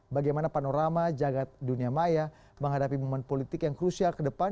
bagaimana panorama jagad dunia maya menghadapi momen politik yang krusial ke depan